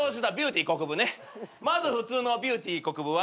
まず普通のビューティーこくぶは。